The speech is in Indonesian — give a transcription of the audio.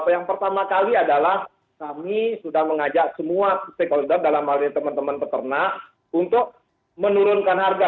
yang pertama kali adalah kami sudah mengajak semua stakeholder dalam hal ini teman teman peternak untuk menurunkan harga